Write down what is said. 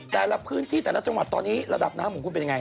แต่ละพื้นที่แต่ละจังหวัดตอนนี้ระดับน้ำของคุณเป็นยังไง